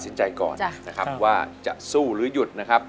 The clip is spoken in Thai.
สินใจก่อนนะครับว่าจะสู้หรือหยุดนะครับ